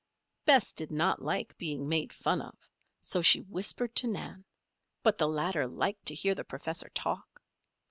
Bess did not like being "made fun of," so she whispered to Nan; but the latter liked to hear the professor talk.